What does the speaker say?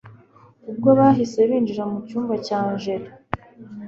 ubwo bahise binjira mucyumba cya angella